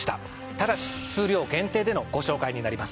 ただし数量限定でのご紹介になります。